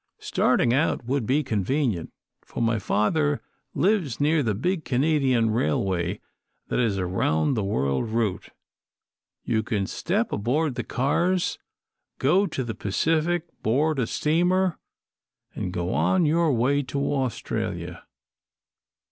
Starting would be convenient, for my father lives near the big Canadian railway that is a round the world route. You can step aboard the cars, go to the Pacific, board a steamer, and go on your way to Australia.